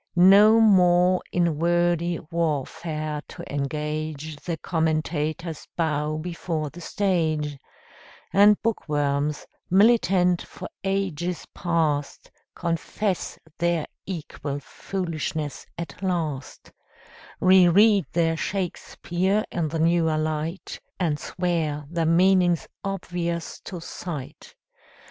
No more in wordy warfare to engage, The commentators bow before the stage, And bookworms, militant for ages past, Confess their equal foolishness at last, Reread their Shakspeare in the newer light And swear the meaning's obvious to sight.